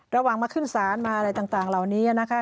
ระหว่างมาขึ้นศาลมาอะไรต่างเหล่านี้นะคะ